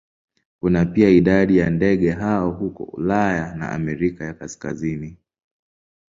Kuna pia idadi ya ndege hao huko Ulaya na Amerika ya Kaskazini.